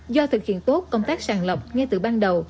do thực hiện tốt công tác sàng lọc ngay từ ban đầu